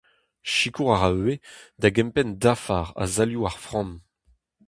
Sikour a ra ivez da gempenn dafar ha salioù ar framm.